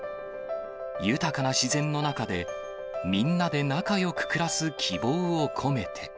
豊かな自然の中で、みんなで仲よく暮らす希望を込めて。